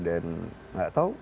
dan gak tau